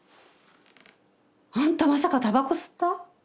あんたまさかたばこ吸った？